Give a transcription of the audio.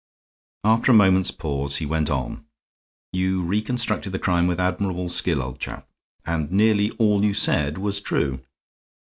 After a moment's pause he went on. "You reconstructed the crime with admirable skill, old chap, and nearly all you said was true.